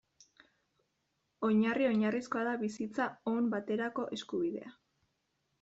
Oinarri oinarrizkoa da bizitza on baterako eskubidea.